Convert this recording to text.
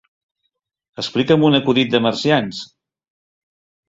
Explica'm un acudit de marcians.